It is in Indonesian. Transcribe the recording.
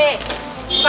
bukan berhenti henti ya